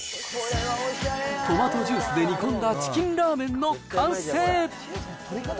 トマトジュースで煮込んだチキンラーメンの完成。